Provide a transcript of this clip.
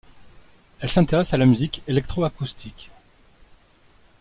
Elle s'intéresse à la musique électroacoustique.